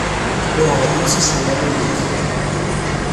Uɣaɣ-d imsismeḍ amaynut.